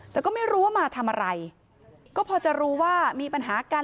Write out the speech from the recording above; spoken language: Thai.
แต่ก็ไม่รู้ว่ามาทำอะไรก็พอจะรู้ว่ามีปัญหากัน